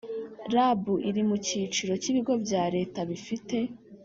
Rab iri mu cyiciro cy ibigo bya leta bifite